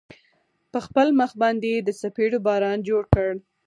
په خپل مخ باندې يې د څپېړو باران جوړ كړ.